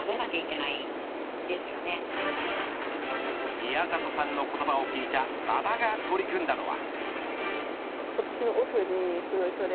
宮里さんの言葉を聞いた馬場が取り組んだのは。